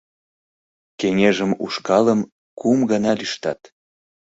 Кеҥежым ушкалым кум гана лӱштат.